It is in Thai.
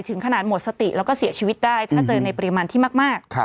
ถึงขนาดหมดสติแล้วก็เสียชีวิตได้ถ้าเจอในปริมาณที่มาก